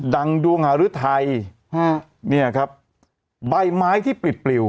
ดังดวงหารุทัยใบไม้ที่ปิดปลิว